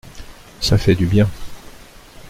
Ça fait du bien.